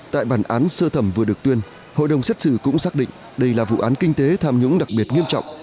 tại bản án sơ thẩm vừa được tuyên hội đồng xét xử cũng xác định đây là vụ án kinh tế tham nhũng đặc biệt nghiêm trọng